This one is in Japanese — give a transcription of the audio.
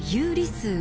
数